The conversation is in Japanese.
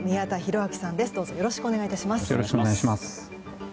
どうぞよろしくお願い致します。